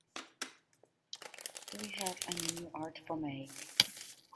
Do we have any new art for May?